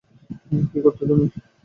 কী করতে তুমি।